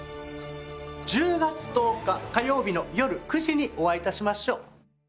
１０月１０日火曜日のよる９時にお会い致しましょう。